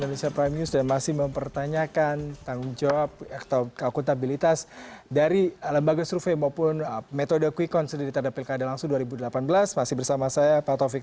terima kasih pak sur reminded saya di sini